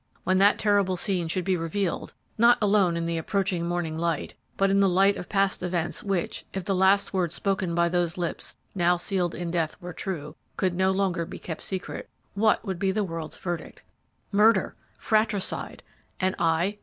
When that terrible scene should be revealed, not alone in the approaching morning light, but in the light of past events which, if the last words spoken by those lips now sealed in death were true, could no longer be kept secret, what would be the world's verdict?" Murder! fratricide! and I?